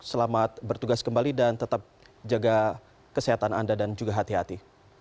selamat bertugas kembali dan tetap jaga kesehatan anda dan juga hati hati